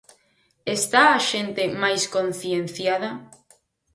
Está a xente máis concienciada?